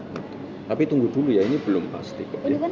tapi tunggu dulu ya ini belum pasti